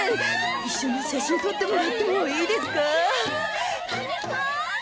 一緒に写真撮ってもらってもいいですかぁ？